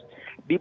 di perjuangan itu